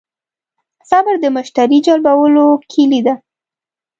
صبر د مشتری جلبولو کیلي ده.